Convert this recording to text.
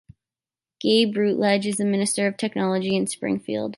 Gabe Rutledge is a minister of technology in Springfield.